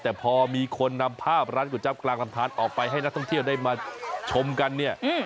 แต่พอมีคนนำภาพร้านก๋วยจับกลางลำทานออกไปให้นักท่องเที่ยวได้มาชมกันเนี่ย